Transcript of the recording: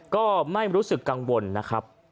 ก็ไม่รู้สึกกังวลนะครับ